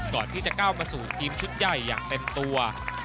ก่อนที่จะก้าวมาสู่ทีมชุดใหญ่อย่างเต็มตัว